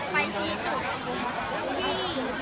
ไปชี้จุดฝรั่ง